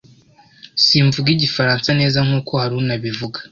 Simvuga Igifaransa neza nkuko Haruna abivuga.